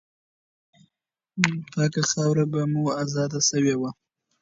پاکه خاوره به مو آزاده سوې وه.